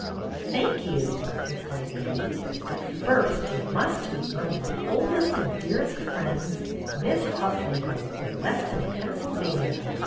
"Thank you!" replied Betty. "But first you must meet one of my oldest and dearest friends, Miss Hufnagel, of Weston, Pennsyl vania.